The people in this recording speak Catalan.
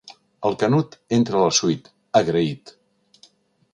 El Canut entra a la suite, agraït.